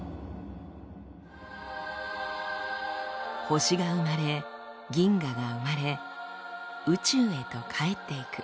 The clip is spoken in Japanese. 星が生まれ銀河が生まれ宇宙へとかえっていく。